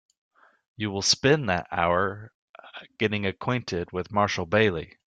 You will spend that hour getting acquainted with Marshall Bailey.